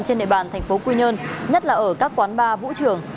trên địa bàn thành phố quy nhơn nhất là ở các quán bar vũ trường